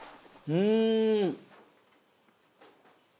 うん。